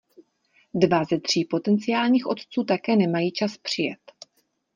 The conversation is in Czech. Dva ze tří potenciálních otců také nemají čas přijet.